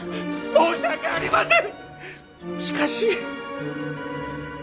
申し訳ありません